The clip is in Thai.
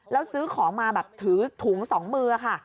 แล้วซื้อของมาแบบถือถุงสองมือค่ะ